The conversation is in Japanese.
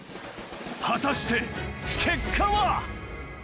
果たして結果は？